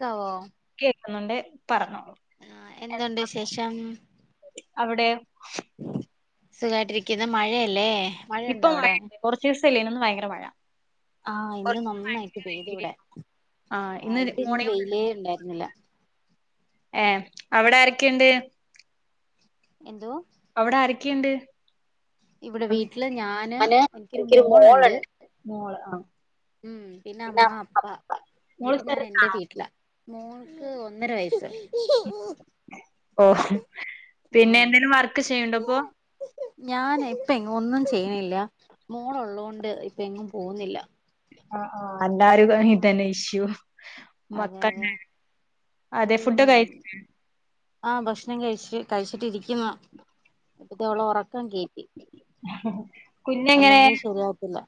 ക്കാവോ അമ്മന്റെ പറഞ്ഞോ ആ എന്തുണ്ട് വിശേഷം അവിടെ സുഖായിട്ടിരിക്കുന്ന് മഴയല്ലേ മഴയുണ്ടോ ഇപ്പം അവിടെ മഴേ കൊറച്ച് സ് ത്ത്ഇല്ലേനു ഇന്ന്ഭയങ്കര മഴ ആഹ് ഇന്ന് ഒരു നന്നായിട്ട് പെയ്ത് ഇവിടെ ആ ആ് ഇവിടെ ഇന്ന് മോർണിംഗ് വെയിലേ ഉണ്ടായിരിന്നില്ല ഏ അവിടെ ആരക്കെണ്ട് എന്തോ അവിടെ ആരക്കെണ്ട് ഇവിടെ വീട്ടില് ഞാന് എനിക്കൊരു മോളുണ്ട് ആഹ് ഉം പിന്നെ അമ്മ അപ്പാ മോള് ഇനിപ്പ ഞാൻ ചെറുതാ എന്റെ വീട്ടില മോൾക്ക് ഒന്നര വയസ്സ് ഓ പിന്നെ ഉം എന്തെലും വർക്ക് ചെയ്യണ്ടോ ഇപ്പൊ ഞാൻ ഇപ്പ എങ്ങ് ഒന്നും ചെയ്യണില്ല മോൾ ഉള്ളോണ്ട് ഇപ്പ എങ്ങും പോവുന്നില്ല ആ ആ എല്ലാരും ഇതന്നെ ഇഷ്യു അതെ മക്ക അതെ അതെ [unintelligible] ഫുഡ ഉം കഴ ആ ഭക്ഷണം കഴിച്ച് കഴിച്ചിട്ടിരിക്ക [unintelligible] ന്ന അപ്പത്തെ അവളെ ഉറക്കാൻ കേറ്റി കുഞ്ഞെങ്ങനെ അല്ലെങ്കി ശരിയാകാത്തില്ല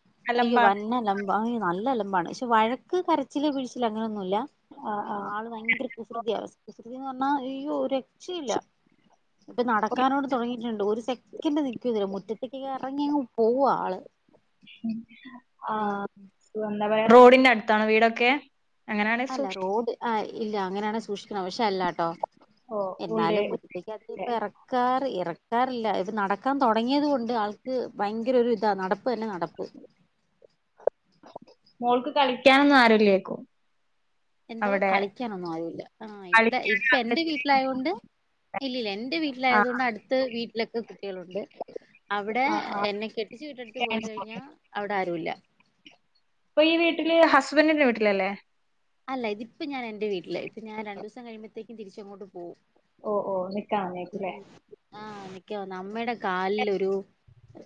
അയ്യോ അലമ്പാണ് വന്നലമ്പ് നല്ലല്ല പക്ഷെ വഴക്ക് കരച്ചില് വീഴിൽ അങ്ങനെ ഇല്ല ആ ആ ആളു ഭയങ്കര കുസൃതിയാ [unintelligible] [unintelligible] പറഞ്ഞാൽ ഈയൊ രക്ഷയില്ല ഇപ്പൊ നടക്കാനോട് തുടങ്ങിയിട്ടുണ്ട് ഒരു സെക്കൻഡ് നിക്കല്ല മുറ്റത്തേക്കൊക്കെ ഇറങ്ങിങ്ങ് ആള് ഉം ആഹ് [inaudible] റോഡിന്റെ അടുത്താണ് വീടൊക്കെ അങ്ങനെയാണെ അല്ലാ സൂക്ഷി റോഡ് ആഹ് ഇല്ലാ അങ്ങനെയാണെ സൂക്ഷി പക്ഷെ അല്ലാട്ടോ ഓ ഉള്ളി എന്നാലും ഉള്ളി. മുറ്റാത്തേക്ക് അ ഇറക്കാ ഇറക്കാറില്ല ഇത് നടക്കാൻ തുടങ്ങിയത് കൊണ്ട് ആൾക്ക് ഭയങ്കര ഒരു ഇതാ നടപ്പ് തന്നെ നടപ്പ് മോൾക്ക് കളിക്കാനൊന്നും ആരുല്ലേ എന്തോ കളിക്കാനൊന്നും ആരൂല്ലാ ആ ഇവിടെ കളിക്കാൻ ഇപ്പ ആൾക്കാര് എന്റെ ചെറിയ വീട്ടിലായൊണ്ട് കുട്ടികൾക്ക് ഇല്ലില്ലാ എൻ്റെ ആഹ് വീട്ടിലായതുകൊണ്ട് അടുത്ത് വീ ട്ടിലൊക്ക കുട്ടികളുണ്ട് അവിടെ ആഹ് ആഹ് എന്നെ കെട്ടിച്ചു വിട്ടടുത്ത് പോയി കഴിഞ്ഞാ അവിടെ ആരുല്ലാ നന്റെ വീട്ടിലല്ലേ അല്ല ഇതിപ്പൊ ഞാനെന്റെ വീട്ടില് ഇപ്പ ഞാൻ രണ്ടീസം കഴുമ്പഴത്തേക്കും തിരിച്ചങ്ങോട്ട് പോവും ഓ ഓ നി ഉം ആഹ് നിക്കാവന്നെ നമ്മയുടെ കാലിൽരു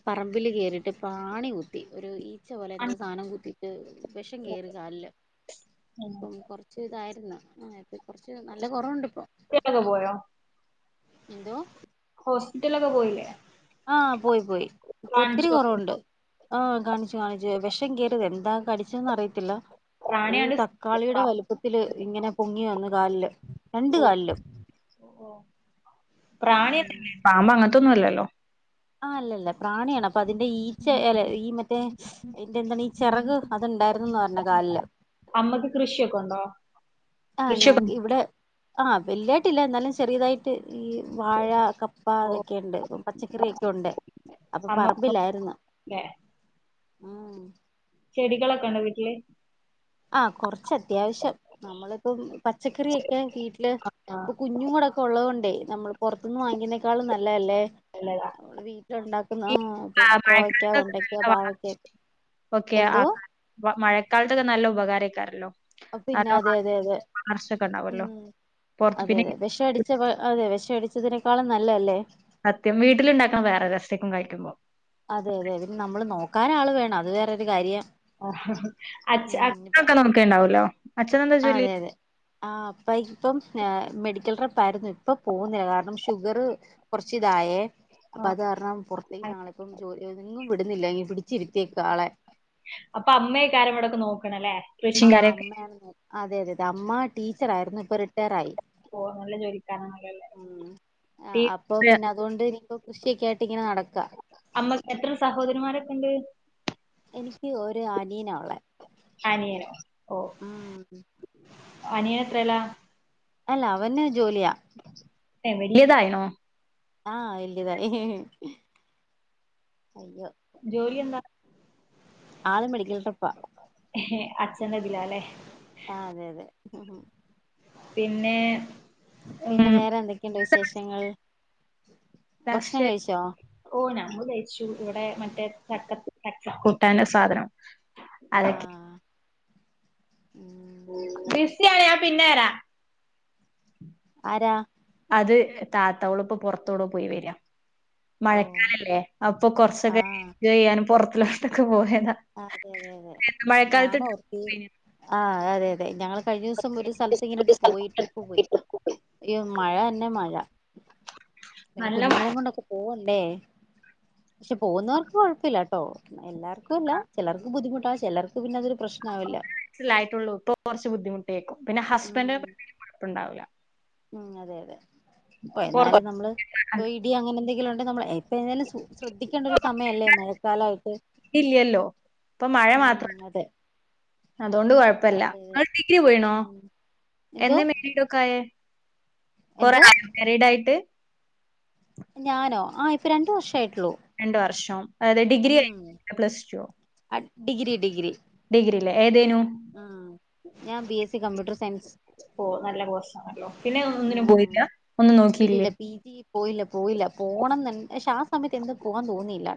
പറമ്പിൽ കേയറിട്ട് പാണി കുത്തി ഒരു ഈച്ച പോലെ എന്തോ സാധനം കുത്തി ഉ വിഷം കേറി കാലില് ഇപ്പം കുറച്ച ഇത കുറച്ച് നല്ല കുറവുണ്ട് ഇപ്പോ ക്കെ പോയോ എന്തോ ഹോസ്പിറ്റലക്കെ പോയില്ലേ ആ പോയി പോയി ഇപ്പൊ ഒത്തിരി കാണിച്ചോ കുറവുണ്ട് ആ് കാണിച്ചു കാണിച്ചു വിഷം കേറിയത എന്താ കടിച്ചന്ന് അറിയത്തില്ല ഒരു പ്രാണിയാണ്ട് തക്കാളിയുടെ വലുപ്പത്തില് ഇങ്ങനെ പൊങ്ങി വന്ന് ഓ ഓഓ പ്രാണിയ തന്ന പാമ്പങ്ങ അതൊന്നുംല്ലല്ലോ ആ അല്ലല്ല പ്രാണിയാണ് അപ്പൊ അതിന്റെ ഈച്ച അല്ല ഈ മറ്റേ ഇതിന്റ എന്താണ് ഈ ചിറക് അത്ണ്ടായിരുന്നന്ന് പറഞ്ഞ കാലില് അമ്മക്ക് കൃഷിയൊക്കെ ഉണ്ടോ ആഹ് ഞാ കൃഷിയൊക്കെ ഇവിടെ ആഹ് വല്യായിട്ടില്ല എന്നാലും ചെറിയതായിട്ട് മ ഈ വാഴ കപ്പ ഓ അതൊക്കെയുണ്ട് ഇപ്പ പച്ചക്കറി ഒക്കെ ഉണ്ട് അപ്പൊ അമ്മ പറമ്പിലായിരുന്നു ല്ലേ ആ ചെടികളൊക്കെണ്ടോ വീട്ടില് ആഹ കൊറച്ച് അത്യാവശ്യം നമ്മളിപ്പം പച്ചക്കറിയക്കെ വീട്ടില് ആഹ് കുഞ്ഞും കൂടൊക്കെ ഒള്ളൊണ്ട് നമ്മൾ പൊറത്തു നിന്ന് വാങ്ങിക്കുന്നേക്കാളും നല്ലല്ലേ ഇപ്പം കോവയ്ക്ക മഴക്കാലത്തൊക്കെ വെണ്ടയ്ക്ക ന വള പാവയ്ക്ക ഓക്കെ ആ എന്തോ മഴക്കാലത്തൊക്കെ നല്ല ഉപകാരായി [unintelligible] പിന്നെ അതെ അതെ അതെ ഉണ്ടാവല്ലോ ഉം പൊറത്ത് പിന്നെ അതെതെ വെഷടിച്ച അതെ വെഷടിച്ചതിനെ ക്കാളം നല്ലതല്ലേ സത്യം വീട്ടിലുണ്ടാക്കണം വേറെ രസക്കും കഴിക്കുമ്പോൾ അതെ അതെ ന് നമ്മള് നോക്കാൻ ആള് വേണം അത് വേറൊരു കാര്യം ആ അച് ഉം ഇപ്പ അച്ഛൊക്കെ നൊക്കാണ്ടാവല്ലോ അതെ അതെ ആ അപ്പ ഇപ്പം മെഡിക്കല [unintelligible] ഇപ്പൊ പോന്നില്ല കാരണം ഷുഗറ് കൊറച്ച് ഇതായേ അപ്പൊ ആഹ് അത് കാരണം പുറത്തേക്ക് ഞങ്ങളിപ്പം ജോലി- എങ്ങും വിടുന്നില്ല ഇങ്ങ് പിടി അപ്പ അമ്മേയൊക്കെ ആരാ ഇവിടെ ഒക്കെ നോക്ക് - ക്ക്ണല്ലേ ആഹ് അമ്മയാണ് നോക് അതെ അതെ ദമ്മാ ട് [unintelligible] ടീച്ചറാരുന്നു ഇപ്പൊ റിട്ടേറായി ഓ നല്ല ജോലിക്കാരനാണല്ലോല്ലേ ഉം അപ്പൊ പിന്നെ അതുകൊണ്ട് ഇനിപ്പോ കൃഷിയക്കെയായിട്ട് ഇങ്ങനെ നടക്കുവാ രണ്ട് എനിക്ക് ഒരു അനിയനാ ഉള്ളെ അനിയനോ ഓഹ് ഉം അനിയൻ എത്രയിലാ അല്ല അവന് ജോലിയാ ഏഹ് വലിയതായൊ ആഹ് വല്യതായി അയ്യോ ജോലി ഉം എന്താ ആള് മെഡിക്കൽ ഷെഫ് ആ അച്ഛൻ ഇതിലാ അല്ലെ ആഹ് അതെ അതെ പിന്നെ ഉം പിന്നെ വേറെ എന്തൊക്കെയുണ്ട് വിശേഷങ്ങൾ ഭക്ഷണം തഷേ കഴിച്ചോ ഓഹ് ഞമ്മള് കഴിച്ചു ഇവിടെ മറ്റേ ചക്കത്ത് ച കൂട്ടാന്റെ സാധനം അതൊക്കെ ആഹ് ഉം ബിസിയാണ് ഞാൻ പിന്നെ വരാം ആരാ അത് താതവള് ഇപ്പ പുറത്തോടോ പോയ് വരിക ഓ മഴക്കാലല്ലേ അപ്പൊ കൊറച്ചൊക്കെ ആഹ് [unintelligible] ചെയ്യാനും പൊറത് [unintelligible] പോയേ അതെ അതെ അതെ ഞാൻ ഓർത്തി ആഹ് അതെ അതെ ഞങ്ങള് കഴിഞ്ഞ ദിവസം ഒരു സ്ഥലത്ത് ഇങ്ങനെ പോയി ട്രിപ്പ് പോയി യ്യോ മഴ തന് ന്നെ മഴ പിന്നെ നല്ല കുഞ്ഞുങ്ങളേം കൊണ്ടൊക്കെ പോവ ല്ലേ പക്ഷെ പോകുന്നവർക്ക് കൊഴപ്പില്ലട്ടോ എല്ലാർക്കും അല്ല ചെലർക്ക് ബുദ്ധിമുട്ടാ ചെലർക്ക് പിന്നെ അതൊരു പ്രശ്നാവില്ല [inaudible] സ്സിലായിട്ടുള്ളൂ പ്പോ കുറച്ച് ബുദ്ധിമുട്ടേക്കും പിന്നെ ഹസ്ബന്റ് [unintelligible] കൊഴപ്പുണ്ടാവില്ല മ് അതെ അതെ ഓ എന്നാലും പുറത്ത് നമ്മള് ഓ ഇടി അങ്ങനെ എന്തെങ്കിലും ഒണ് [unintelligible] നമ്മള് ഏപ് [unintelligible] ശു ശ്രദ്ധിക്കേണ്ട ഒരു സമയല്ലേ മഴക്കാലായിട്ട്, ഇല്ലല്ലോ ഇപ്പൊ മഴ മ് മാത്രം അതെ അതുകൊണ്ട് കുഴപ്പല്ല അതെ ഡിഗ്രി മ് പോയിണോ എന്തോ എന്തോ കൊറെ [inaudible] ആയിട്ട്? ഞാനോ ആ ഇപ്പ രണ്ടു വർഷ ആയിട്ടുള്ളൂ. രണ്ട് വർഷം അതെ ഡിഗ്രി [unintelligible] പ്ലസ് ടുവോ? ഡിഗ്രി ഡിഗ്രി ഡിഗ്രില്ലേ ഏതേനു? ആ ഞാൻ B S C computer science ഓ നല്ല കോഴ്സാണല്ലോ പിന്നെ ആ ഒന്നിനും പോയില്ല ഒന്നും നോക്കിയില്ലേ ഇല്ലില്ല പിജി പോയില്ല പോയില്ല പോണംന്ന്ണ് ക്ഷേ ആ സമയത്ത് എന്ത് പോവാാൻ തോന്നിയില്ല.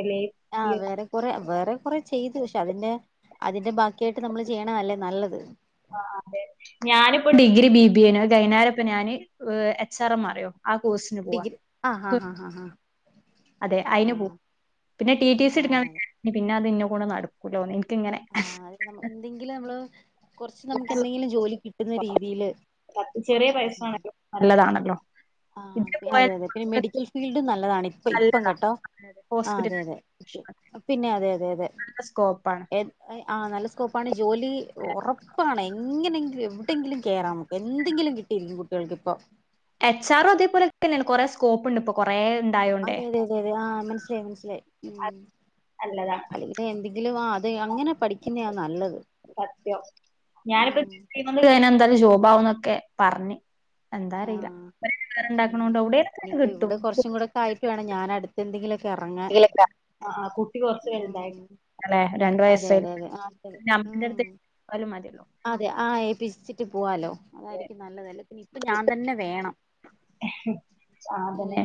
എല്ലെ ആ വേറെ കൊറെ [unintelligible] വേറെ കൊറെ ചെയ്തു, പക്ഷെ അതിന്റെ അതിന്റെ ബാക്കിയായിട്ട് നമ്മള് ചെയ്യണ അല്ലേ നല്ലത്. ആ അതെ ഞാനിപ്പോ ഡിഗ്രി ബി ബി എ ണ് ജൈനാരപ്പം ഞാന് വ് എച്ച് ആർ എം മാറിയോ ഡിഗ്രി ആഹ് ആഹ് ഹാ ആഹ് ഹ അതെ അതിന് പോകും ആ [unintelligible] നടക്കൂലാ [unintelligible] ആ അതെ നമ്മ എന്തെങ്കിലും നമ്മള് കൊറച്ച് നമുക്ക് എന്തെങ്കിലും ജോലി കിട്ടുന്ന രീതിയില് പത്ത് ചെറിയ മ് പൈസ മ് ആണല്ലോ നല്ലതാണല്ലോ ആ ഇതിന് അതെ പോയാൽ അതെ അതെ പിന്നെ മെഡിക്കൽ ഫീൽഡ് നല്ലതാണ് ഇപ്പ ഇ പ്പം നല്ലതാ കേട്ടോ ആ അതെ അതെ ഹോസ്പിറ്റൽ പിന്നെ അതെ അതെ അതെ സ്കോപ്പാണ് എത് എ ആ നല്ല സ്കോപ്പാണ് ജോലി ഒറപ്പാണ്. എങ്ങനെങ്കിലും എവിടെയെങ്കിലും കേറാം നമ്മക്ക് എന്തെങ്കിലും കിട്ടിയില്ലെ കുട്ടികൾക്ക് ഇപ്പോ [unintelligible] അതേപോലെ തന്നെയ കൊറേ സ്കോപ്പ് ഇണ്ട് ഇപ്പോ കൊറേ ഉണ്ടായോണ്ടേ അതെ അതെ അതെ അതെ ആഹ് മനസ്സിലായി മനസ്സിലായി മ് നല്ലതാണ് അല്ലെങ്കിൽ എന്തെങ്കിലും ആ അത് അങ്ങനെ പഠിക്കുന്നയാ നല്ലത്. സത്യം ഞാനിപ്പോ ഉം [unintelligible] [unintelligible] ജോബാവുന്നൊക്കെ പറഞ്ഞ് എന്താ ആ അറിയില്ല ഇണ്ടാക്കണ ഉം കൊണ്ട് അവിടോക്ക കിട്ടും. ക്ക് വേണം ഞാന അടുത്ത് എന്തെങ്കിലൊ ആ കുട്ടി കൊറച്ച് പേരുണ്ടായി ഉം അതെ അതെ അതെ ആ മ് അടുത്ത് ലും മതിയല്ലോ അതെ ആ ഏപ്പിച്ചിച്ചിട്ട് പുവാലോ. അതായിരിക്കും നല്ലതല്ലേ പിന്നെ ഇപ്പ ഞാൻ തന്നെ വേണം ആ മ് അതന്നെ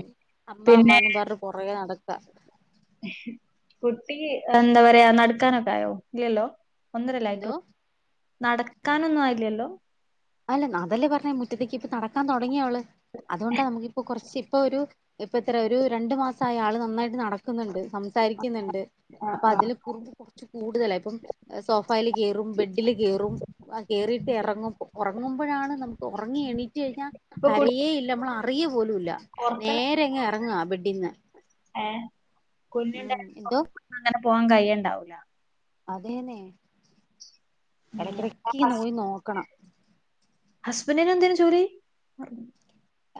അമ്മ പിന്നെ അമ്മാന്ന് പറഞ്ഞ് കൊറേ [unintelligible] കുട്ടി എന്താ പറയാ നടക്കാനൊക്കെ ആയോ ഇല്ലില്ലോ ഒന്നരയല്ലേ ആയിട്ടു എന്തോ നടക്കാനൊന്നും ആയില്ലല്ലോ അല്ല അതല്ലേ പറഞ്ഞേ മുറ്റത്തേക്ക് നടക്കാൻ തുടങ്ങി അവൾ അതുകൊണ്ടാ നമുക്കിപ്പോ കുറച്ച് ഇപ്പൊ ഒരു ഇപ്പ എത്ര ഒരു രണ്ടു മാസം ആയി ആൾ നന്നായിട്ട് നടക്കുന്നുണ്ട്. സംസാരിക്കുന്നുണ്ട് ആ അപ്പൊ ആ അതില് കുറുമ്പ് കുറച്ച് കൂടുതലായി ഇപ്പം സോഫായിൽ കയറും ബെഡിൽ കയറും കേറിയിട്ട് ഇറങ്ങുമ്പോ ങ്ങുമ്പെഴാണ് നമ്മുക്ക് ഒറങ്ങി എണീറ്റ് കഴിഞ്ഞാ ഇപ്പൊ കുട്ടി കരയെ ഇല്ല നമ്മൾ ആ അറിയും പോലു ഇല്ല പുറത്തന്നെ നേരെ അങ്ങ് എറങ്ങാ ബെഡിന്ന് ഏ ഉം കുഞ്ഞുണ്ടായെന്ന് എന്തോ [unintelligible] പോവാൻ കയ്യെണ്ടാവൂലാ അതെന്നേ ഉം എടക്കിടെയ്ക്ക് പോയി നോക്കണം ഹസ്ബെന്റിന് എന്തെനു ജോലി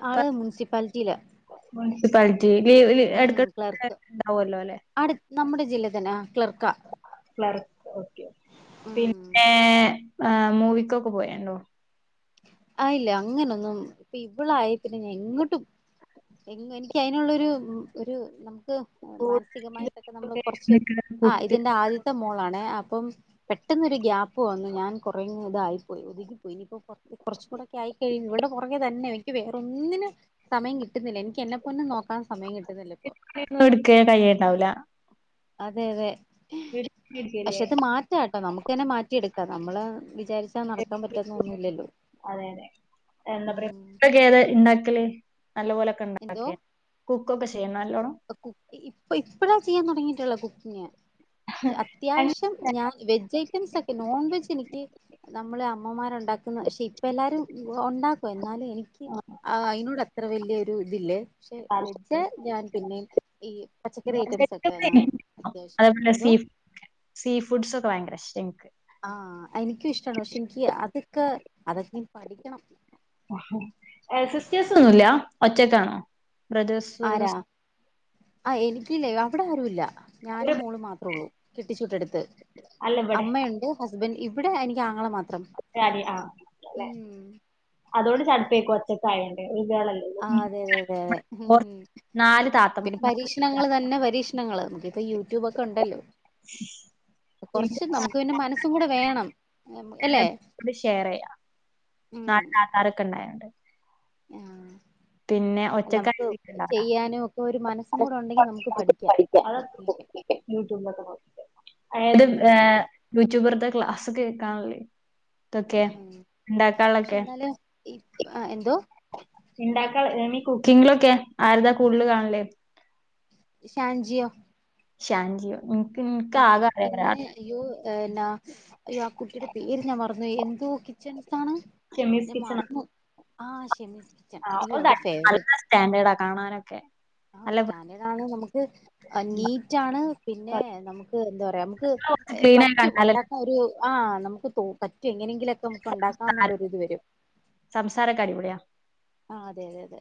ആൾ മുൻസിപ്പാലിറ്റിയിലാ സിപാൽ [unintelligible] ഓൽ എട്ക്കെട്ക്ക് [inaudible] ഇണ്ടാവോലെ ലെ അടു നമ്മുടെ ജില്ല തന്നെ ആ ക്ലർക്കാ [unintelligible] ഓക്കെ ഉം ആ മൂവിക്കൊക്കെ പോയാണ്ടോ ആ ഇല്ല അങ്ങനൊന്നും ഇപ്പൊ ഇവൾ ആയ പിന്നെ ഞാൻ എങ്ങട്ടും എ എനിക്ക് അതിനുള്ളാരു ഒരു ഒരു നമു ക്ക്‌ മാനസികമായിട്ടൊക്കെ നമ്മൾ കൊറച്ച് ആ ഇതിന്റെ ആദ്യത്തെ മോളാണ്. അപ്പം പെട്ടെന്നൊരു ഗ്യാപ്പ് വന്നു ഞാൻ കുറെ ഇതായി പോയി ഒതുങ്ങിപ്പോയി ഇനിയിപ്പോ കൊറച്ചുകൂടൊക്കെ ആയിക്കഴി ഇവൾടെ പൊറകെ തന്നെ എനിക്ക് വേറൊന്നിനും സമയം കിട്ടുന്നില്ല എനിക്ക് എന്നെപൊന്നെ നോക്കാൻ സമയം കിട്ടു [unintelligible] എടുക്ക കയ്യുണ്ടാവില്ല അതെ അതെ പക്ഷെ വീട്ടിലിരിക്കല്ലേ അത് മാറ്റാം കേട്ടോ നമുക്ക് നെ മാറ്റിയെടുക്കാ നമ്മള് വിചാരിച്ച നടക്കാൻ പറ്റുന്നൊന്നുമില്ലല്ലോ അതെ അതെ എന്താ പറയാ ഉം ഫുഡൊക്കെ ഏതാ [unintelligible] നല്ല പോലൊക്കെ എന്തോ ഉണ്ടാക്കിയ [unintelligible] ഇപ്പൊ, ഇപ്പഴാ ചെയ്യാൻ തുടങ്ങിട്ടുള്ളത്. [unintelligible] അത്യാവശ്യം ഞാൻ വെജ് ഐറ്റംസ് ഒക്കെ, നോൺ വെജ് എനിക്ക് നമ്മള് അമ്മമാരുണ്ടാക്കുന്ന പക്ഷെ ഇപ്പ എല്ലാരും ഉണ്ടാക്കും എന്നാലേ എനിക്ക് അയിനോട് അത്ര വലിയ ഇതില്ലേ പക്ഷെ താല്പര്യം വെജ്‌ ഞാൻ ഈ പച്ചക്കറി ഐറ്റംസ് ഒക്കെ ഞാൻ, എനിക്കിഷ്ടം. അത്യാവശ്യം അതേപോലെ എന്തോ സീ സീ ഫുഡ്സ് [unintelligible] ആ എനിക്കും ഇഷ്ടമാണ്, പക്ഷെ എനിക്ക് അതൊക്കെ, അതൊക്കെ പഠിക്കണം സിസ്റ്റേഴസ് ഒന്നും ഇല്ല ഒറ്റക്കാണോ? ബ്രദേഴ്സ് ആരാ, സിസ് ആ എനിക്കില്ലേ ഇവിടെ ആരുമില്ല ഒരു ഞാനും മോളും മാത്രോള്ളൂ കെട്ടിച്ചു കൊടുത്ത് അല്ല ഇവിടെ അമ്മയുണ്ട് ഹസ് ഹസ്ബൻ, ഇവിടെ എനിക്ക് ആങ്ങളെ മത്ര [unintelligible] അല്ലെ അതുകൊണ്ട് ചടുപ്പേക്കും [unintelligible] കായണ്ട് ആ അതെ, അതെ അതെ അതെ ഓർ ഉം നാല് താത്തം പിന്നെ നാല് പരീക്ഷണങ്ങൾ തന്നെ പരീക്ഷ പ്രശ്നങ്ങ്ങള്, നമക്കിപ്പൊ യൂട്യൂബൊക്കെ ഉണ്ടല്ലോ [unintelligible] കുറച്ച് നമുക്ക് പിന്നെ എല്ലാർക്കും മനസ്സും കൂടെ വേണം അല്ലെ കൂടി ഷെയർ ചെയ്യാം, നാട്ടിൽ ആധാറൊക്കെ ഉണ്ടായ തൊണ്ട് ആ പിന്നെ ഒക്കെ ഒരു മനസ്സും കൂടെ ഉണ്ടെങ്കിൽ നമുക്ക് പഠിക്കാം കുക്കിംഗൊക്കെ ഉം അതെ [unintelligible] യൂട്യൂബ്രുടെ ക്ലാസ്സ്‌ ഇപ്പ കേക്കാനില്ലേ ഉം, പക്ഷെ എന്നാല്, എന്തോ ഉണ്ടാക്ക, കുക്കിങ്ങിലൊക്കെ ആരതാ കൂടുതൽ കാണല് ഷാൻജിയോ ഷാൻജിയോ, ഉം ആഹ് പിന്നെ അയ്യോ ന്നാ അയ്യോ ആ കുട്ടീടെ പേര് ഞാൻ മറന്നു എന്തോ കിച്ചൺ താണ് ഞാൻ മറന്നു ആഹ് ശെമിസ് ആഹ് അവളുടെ നല്ല സ്റ്റാൻഡേഡാ കാണാനൊക്കെ ആഹ് നല്ല സ്റ്റാൻഡേടാണ് നമുക്ക് നീറ്റ് ആണ് പിന്നെ കുറച്ച് നമുക്ക് എന്താ പറയാ നമുക്ക് ക്ലീൻ ആയി പറ്റും കണ്ടാല് ഉണ്ടാക്കാൻ ഒരു ആഹ് നമുക്ക് തോ പറ്റും എങ്ങനെയെ ലൊക്കെ നമുക്ക് ഉണ്ടാക്കാം സംസാരം എന്നുള്ളൊരു ഇത് വരും സംസാരൊക്കെ അടിപൊളിയാ ആഹ അതെ അതെ അതെ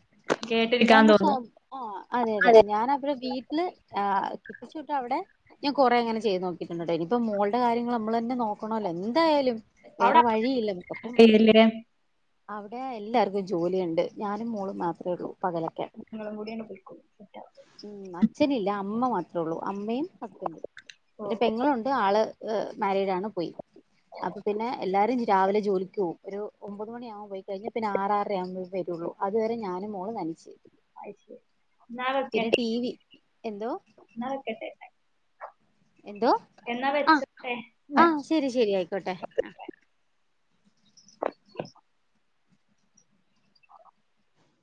ഞാൻ കേട്ടിരിക്കാൻ പക്ഷെ തോന്നും ആഹ് അതെ അതെ ഞാൻ അവിടെ വീട്ടില് ആഹ് കെട്ടിച്ചുവിട്ട അവിടെ ഞാൻ കുറെ അങ്ങനെ ചെയ്ത് നോക്കിട്ടുണ്ടായിട്ടിപ്പോ മോളുടെ കാര്യങ്ങള് നമ്മളന്നെ നോക്കണല്ലോ എന്തായാലും വേറെ അവിടെ വഴിയില്ല നമുക്കപ്പം പേരില് അവിടെ എല്ലാർക്കും ജോലിയു ണ്ട് ഞാനും മോളും മാത്രേ ഉള്ളൂ പകലൊക്കെ നിങ്ങളും കൂടിയാണ് പോയിക്കോളും സെറ്റ് ആവും ഉം അച്ഛനില്ല അമ്മ മാത്ര ത്ര ഉള്ളൂ അമ്മയും ഹസ്ബന്റും ഓ പിന്നെ ഓ പെങ്ങളുണ്ട് ആള് മാരിഡാണ് പോയി അപ്പൊ പിന്നെ എല്ലാരും രാവിലെ ജോലിക്ക്പോവും. ഒരു ഒമ്പത് മണിയാവുമ്പോ പോയി കഴിഞ്ഞാ പിന്നെ ആർ ആറര ആകുമ്പോ വെ രൊള്ളൂ. അതുവരെ ഞാനും മോള് തനിച്ച് അത് ശരി. പിന്നെ ടി വി എന്തോ [unintelligible] എന്തോ? എന്നാ ആഹ് വെച്ചോട്ടെ ആഹ് ശരി ശരി ആയിക്കോട്ടെ. ആഹ്